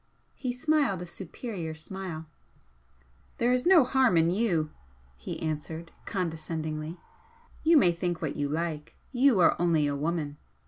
He smiled a superior smile. "There is no harm in you," he answered, condescendingly "You may think what you like, you are only a woman.